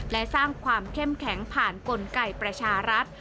และสร้างความเข้มแข็งผ่านกลไกประชารัฐ